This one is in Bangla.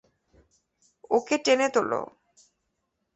ওকে টেনে তোলো।